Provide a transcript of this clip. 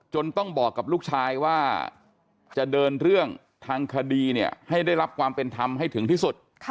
ต้องบอกกับลูกชายว่าจะเดินเรื่องทางคดีเนี่ยให้ได้รับความเป็นธรรมให้ถึงที่สุด